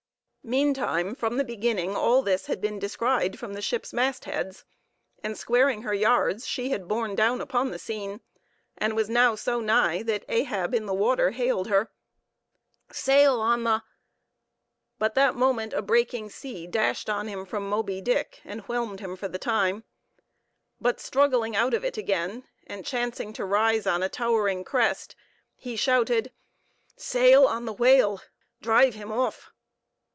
Meantime, from the beginning all this had been descried from the ship's mastheads; and squaring her yards, she had borne down upon the scene, and was now so nigh that Ahab in the water hailed her. "Sail on the—" but that moment a breaking sea dashed on him from Moby Dick, and whelmed him for the time. But struggling out of it again, and chancing to rise on a towering crest, he shouted, "Sail on the whale!—Drive him off!"